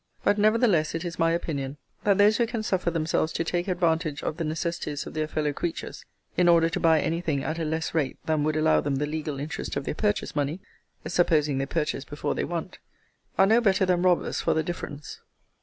But, nevertheless, it is my opinion, that those who can suffer themselves to take advantage of the necessities of their fellow creatures, in order to buy any thing at a less rate than would allow them the legal interest of their purchase money (supposing they purchase before they want) are no better than robbers for the difference.